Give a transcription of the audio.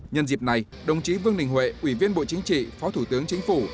nhân dịp này đồng chí vương đình huệ ủy viên bộ chính trị phó thủ tướng chính phủ